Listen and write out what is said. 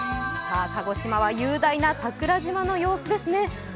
鹿児島は雄大な桜島の様子ですね。